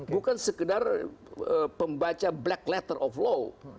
bukan sekedar pembaca black letter of law